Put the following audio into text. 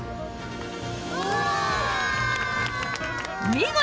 見事！